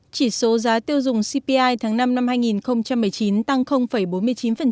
chỉ số giá tiêu dùng cpi tháng năm năm hai nghìn một mươi chín tăng bốn